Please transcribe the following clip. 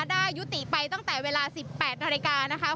ได้ยุติไปตั้งแต่เวลา๑๘นาฬิกานะคะ